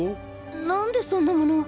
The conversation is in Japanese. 何でそんなもの。